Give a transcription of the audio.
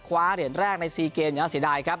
คว้าเหรียญแรกใน๔เกมน่าเสียดายครับ